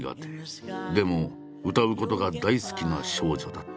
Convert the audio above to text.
でも歌うことが大好きな少女だった。